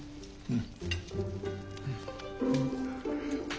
うん。